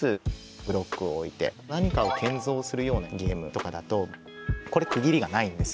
ブロックを置いて何かを建造するようなゲームとかだとそうなんです。